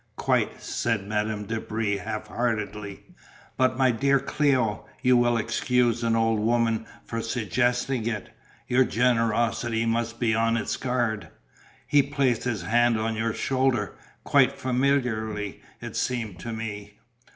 "Quite," said Madame de Brie half heartedly, "but my dear Cléo, you will excuse an old woman for suggesting it, your generosity must be on its guard, he placed his hand on your shoulder, quite familiarly it seemed to me."